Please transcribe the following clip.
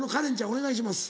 お願いします。